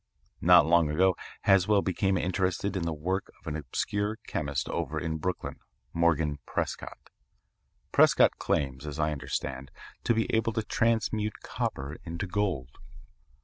"Not long ago Haswell became interested in the work of an obscure chemist over in Brooklyn, Morgan Prescott. Prescott claims, as I understand, to be able to transmute copper into gold.